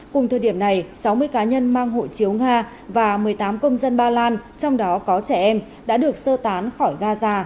cùng thời điểm này sáu mươi cá nhân mang hộ chiếu nga và một mươi tám công dân ba lan trong đó có trẻ em đã được sơ tán khỏi gaza để sang ai cập